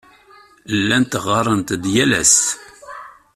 Llant ɣɣarent-d yal ass.